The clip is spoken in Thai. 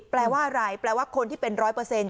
แปลว่าอะไรแปลว่าคนที่เป็นร้อยเปอร์เซ็นต